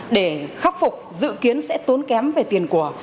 để khắc phục dự kiến sẽ tốn kém về tiền của